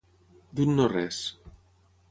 D'un no res.